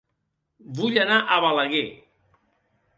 Vull anar a Balaguer